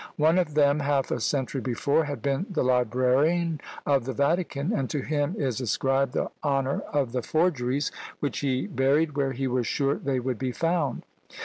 One of them, half a century before, had been the librarian of the Vatican, and to him is ascribed the honour of the forgeries which he buried where he was sure they would be found.